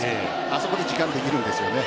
あそこで時間ができるんですね。